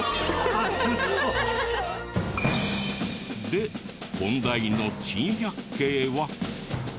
で本題の珍百景は。